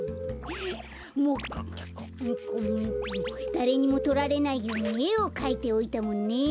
だれにもとられないようにえをかいておいたもんね。